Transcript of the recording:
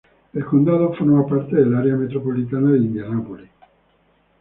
El condado forma parte del área metropolitana de Indianápolis.